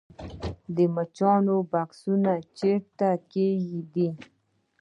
د مچیو بکسونه چیرته کیږدم؟